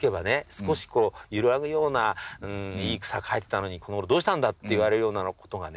少し揺らぐようないい草描いてたのにこのごろどうしたんだ？って言われるようなことがね